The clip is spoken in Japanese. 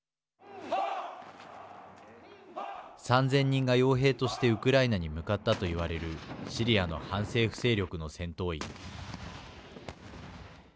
３０００人が、よう兵としてウクライナに向かったといわれるシリアの反政府勢力の戦闘員。